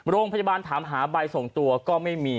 โรงพยาบาลถามหาใบส่งตัวก็ไม่มี